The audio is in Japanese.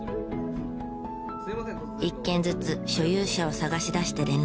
一軒ずつ所有者を探し出して連絡。